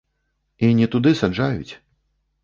І не туды саджаюць.